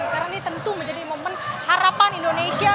karena ini tentu menjadi momen harapan indonesia